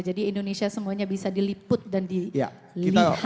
jadi indonesia semuanya bisa diliput dan dilihat